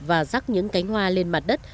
và rắc những cánh hoa lên mặt đất